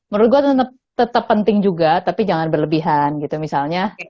menurut gue tetap penting juga tapi jangan berlebihan gitu misalnya